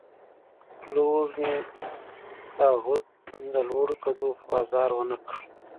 پلور مې د عهد، د لوړ قدو په بازار ونه کړ